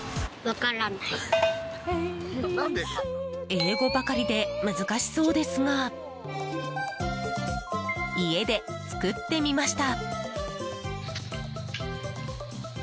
英語ばかりで難しそうですが家で作ってみました。